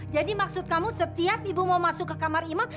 jadi maksud kamu setiap ibu mau masuk ke kamar imam